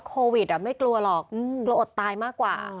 โควิดไม่กลัวหรอกกลัวอดตายมากกว่า